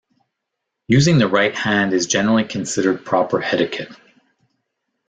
Using the right hand is generally considered proper etiquette.